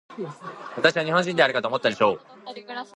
私は日本人であるかと思ったでしょう。